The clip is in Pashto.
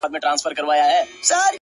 د زړگي شال دي زما پر سر باندي راوغوړوه;